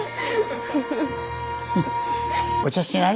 「お茶しない？」